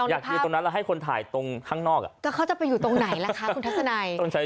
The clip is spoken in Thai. อยากยืนตรงนั้นแล้วให้คนถ่ายตรงข้างนอกอ่ะก็เขาจะไปอยู่ตรงไหนล่ะคะคุณทัศนัย